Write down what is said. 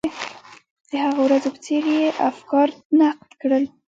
د هغو ورځو په څېر یې افکار نقد کړل.